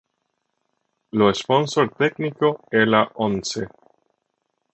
Lo sponsor tecnico è la Onze.